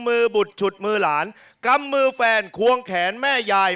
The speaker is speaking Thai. บุดฉุดมือหลานกำมือแฟนควงแขนแม่ยาย